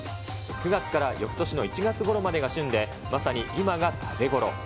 ９月から翌年の１月ごろまでが旬で、まさに今が食べ頃。